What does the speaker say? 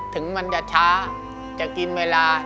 ถึงมันจะช้าจะกินเวลา